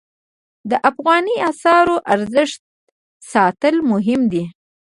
د افغانۍ اسعارو ارزښت ساتل مهم دي